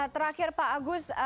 terakhir pak agus